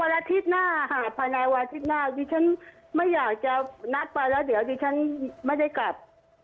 อาทิตย์หน้าค่ะภายในวันอาทิตย์หน้าดิฉันไม่อยากจะนัดไปแล้วเดี๋ยวดิฉันไม่ได้กลับ